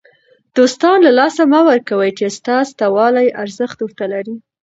دوستان له لاسه مه ورکوئ! چي ستا سته والى ارزښت ور ته لري.